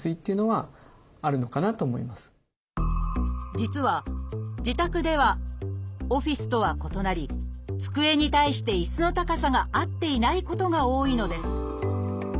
実は自宅ではオフィスとは異なり机に対して椅子の高さが合っていないことが多いのです